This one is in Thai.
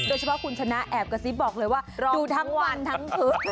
โดยเฉพาะคุณชนะแอบกระซิบบอกเลยว่ารอดูทั้งวันทั้งคืน